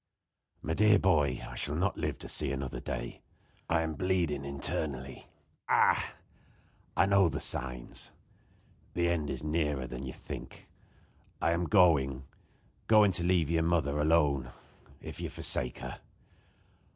"My dear boy, I shall not live to see another day. I am bleeding internally. Ah! I know the signs. The end is nearer than you think. I am going going to leave your mother alone, if you forsake her.